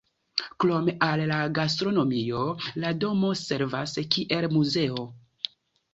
Krom al la gastronomio la domo servas kiel muzeo.